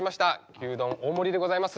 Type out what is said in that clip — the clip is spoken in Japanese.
牛丼大盛りでございます。